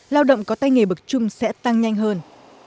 lao động có tay nghề bậc chung sẽ tăng nhanh hơn